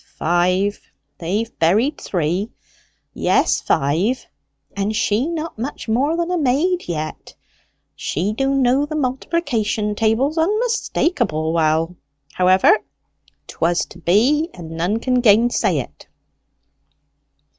"Five; they've buried three. Yes, five; and she not much more than a maid yet. She do know the multiplication table onmistakable well. However, 'twas to be, and none can gainsay it."